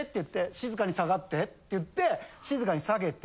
「静かに下がって」って言って静かに下げて。